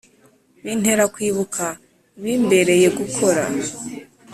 bintera kwibuka ibimbereye gukora